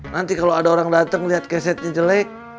nanti kalau ada orang datang lihat kesetnya jelek